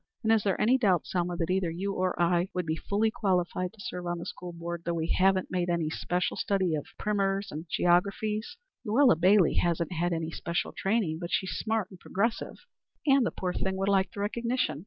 And is there any doubt, Selma, that either you or I would be fully qualified to serve on the School Board though we haven't made any special study of primers and geographies? Luella Bailey hasn't had any special training, but she's smart and progressive, and the poor thing would like the recognition.